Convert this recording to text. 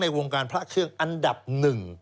วงการพระเครื่องอันดับหนึ่ง